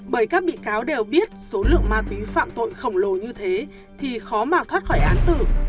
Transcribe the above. bởi các bị cáo đều biết số lượng ma túy phạm tội khổng lồ như thế thì khó mà thoát khỏi án tử